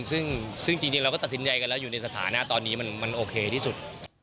ซึ่งจริงเราก็ตัดสินใจกันแล้วอยู่ในสถานะตอนนี้มันโอเคที่สุด